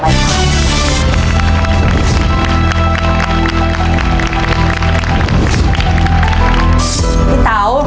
ไปเร็วหน้า